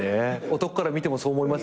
男から見てもそう思いますもん。